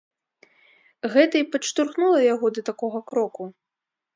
Гэта і падштурхнула яго да такога кроку.